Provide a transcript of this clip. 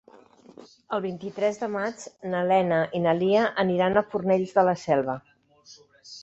El vint-i-tres de maig na Lena i na Lia aniran a Fornells de la Selva.